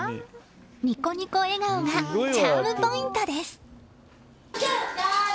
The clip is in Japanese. ニコニコ笑顔がチャームポイントです。